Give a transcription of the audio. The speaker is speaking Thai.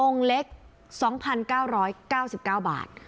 องค์เล็ก๒๙๙๙บาท